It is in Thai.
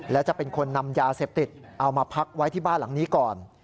และจะเป็นคนนำยาเสพติดเอามาพักไว้ที่บ้านหลังนี้ก่อน